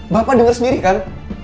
bapak denger sendiri kan